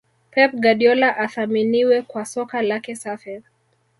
pep guardiola athaminiwe kwa Soka lake safi